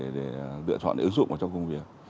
để lựa chọn để ứng dụng vào trong công việc